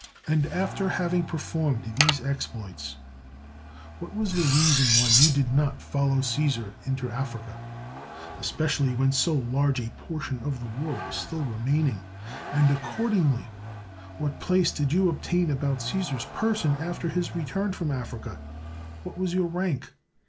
And, after having performed these exploits, what was the reason why you did not follow CaBsar into Africa — especially when so large a portion of the war was still remaining? And accordingly, what place did you obtain about Caesar's person after his return from Africa? What was your rank?